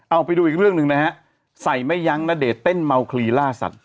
เอาไปดูอีกเรื่องหนึ่งนะครับใส่มะยังนาเดตเต้นเมาคลีล่าสัตว์